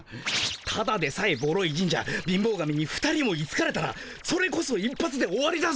ただでさえボロい神社貧乏神に２人もいつかれたらそれこそ一発で終わりだぞ。